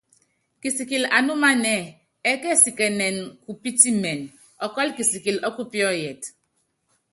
Kisikili anúmanɛ́ɛ, ɛɛ́ kɛsikɛnɛ kupítimɛn, ɔkɔ́lɔ kisikili ɔ́kupíɔ́yɛt.